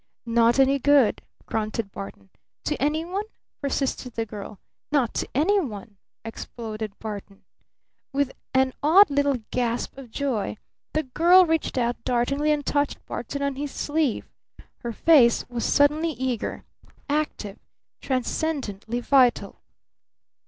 "Not any good!" grunted Barton. "To any one?" persisted the girl. "Not to any one!" exploded Barton. With an odd little gasp of joy the girl reached out dartingly and touched Barton on his sleeve. Her face was suddenly eager, active, transcendently vital.